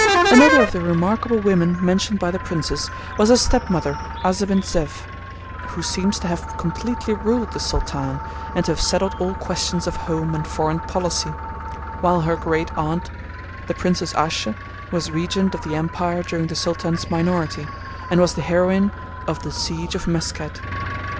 Another of the remarkable women mentioned by the Princess was her stepmother, Azze bint Zef, who seems to have completely ruled the Sultan, and to have settled all questions of home and foreign policy; while her great aunt, the Princess Asche, was regent of the empire during the Sultan's minority, and was the heroine of the siege of Mesket.